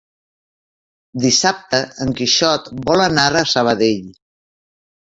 Dissabte en Quixot vol anar a Sabadell.